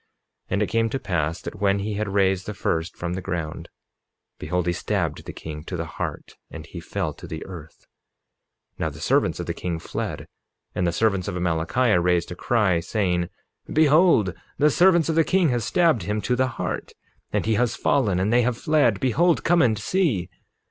47:24 And it came to pass that when he had raised the first from the ground, behold he stabbed the king to the heart; and he fell to the earth. 47:25 Now the servants of the king fled; and the servants of Amalickiah raised a cry, saying: 47:26 Behold, the servants of the king have stabbed him to the heart, and he has fallen and they have fled; behold, come and see.